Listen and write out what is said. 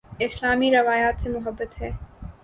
اسلامی روایات سے محبت ہے